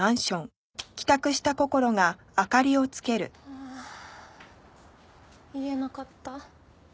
はあ言えなかった。